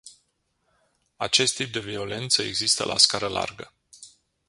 Acest tip de violență există la scară largă.